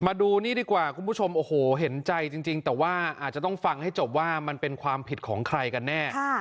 มาดูนี่ดีกว่าคุณผู้ชมโอ้โหเห็นใจจริงแต่ว่าอาจจะต้องฟังให้จบว่ามันเป็นความผิดของใครกันแน่